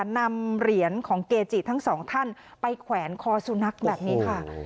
นำเหรียญของเกจิทั้งสองท่านไปแขวนคอสุนัขแบบนี้ค่ะ